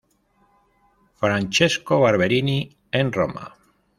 Francesco Barberini en Roma.